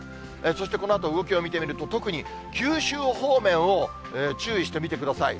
そしてこのあと、動きを見てみると、特に九州方面を注意して見てください。